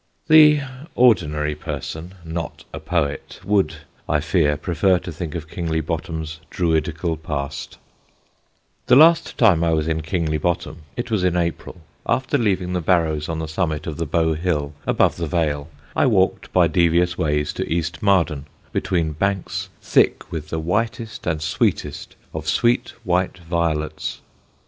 The ordinary person, not a poet, would, I fear, prefer to think of Kingly Bottom's Druidical past. [Sidenote: THE MARDEN VIOLETS] The last time I was in Kingly Bottom it was in April after leaving the barrows on the summit of the Bow Hill, above the Vale, I walked by devious ways to East Marden, between banks thick with the whitest and sweetest of sweet white violets.